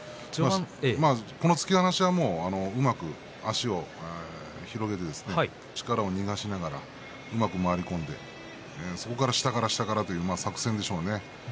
突き放しはうまく足を広げて力を逃がしながらうまく回り込んでそこから下から下からという作戦でしょうね。